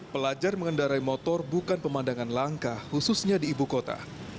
pelajar mengendarai motor bukan pemandangan langka khususnya di ibu kota